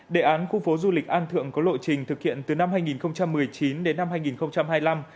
đề án khu phố du lịch an thượng có lộ trình thực hiện từ năm hai nghìn một mươi chín đến năm hai nghìn hai mươi năm